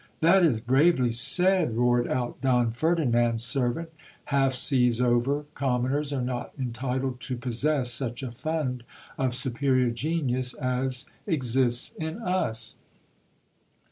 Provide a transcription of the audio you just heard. That is bravely said, roared out Don Ferdinand's servant, half seas over, com moners are not entitled to possess such a fund of superior genius as exists in us.